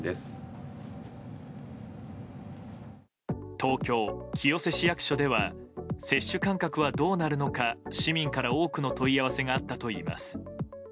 東京・清瀬市役所では接種間隔はどうなるのか市民から多くの問い合わせがあったといいます。